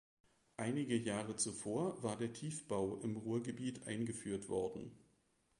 Einige Jahre zuvor war der Tiefbau im Ruhrgebiet eingeführt worden.